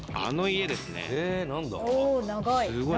おお長い。